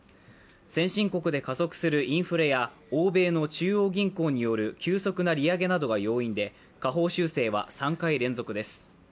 先進国で加速するインフレや欧米の中央銀行による急速な利上げなどが要因で下方修正は３回連続です。